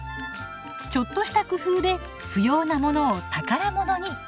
ちょっとした工夫で不要なものを宝物に。